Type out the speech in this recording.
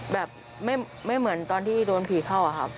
แบบไม่เหมือนตอนที่โดนผีเข้าอะครับ